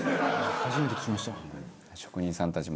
初めて聞きました。